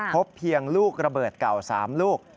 พบเพียงลูกระเบิดเก่า๓ลูก